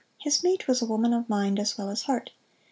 His mate was a woman of mind as well as heart.